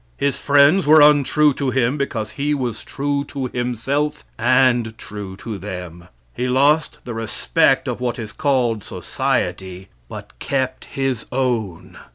His friends were untrue to him because he was true to himself and true to them. He lost the respect of what is called society, but kept his own.